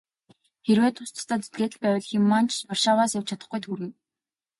Хэрвээ тус тусдаа зүтгээд л байвал хэн маань ч Варшаваас явж чадахгүйд хүрнэ.